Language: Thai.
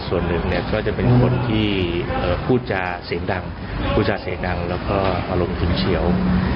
ส่วนหนึ่งก็จะเป็นคนที่พูดค์จะเสียงดังและอารมณ์ขึ้นเชียว